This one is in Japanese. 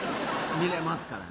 見れますからね。